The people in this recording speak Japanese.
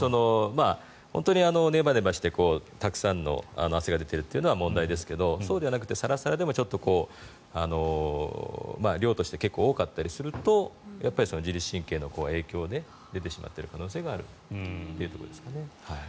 本当にねばねばしてたくさんの汗が出ているのは問題ですけれどもそうではなくてサラサラでもちょっと量として結構多かったりするとやっぱり自律神経に影響が出てしまっているというところですかね。